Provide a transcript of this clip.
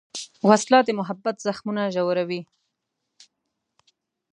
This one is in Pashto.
وسله د محبت زخمونه ژوروي